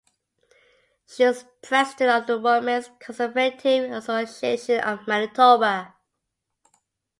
She was President of the Women's Conservative Association of Manitoba.